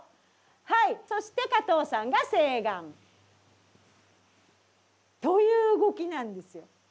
はいそして加藤さんが正眼。という動きなんですよ。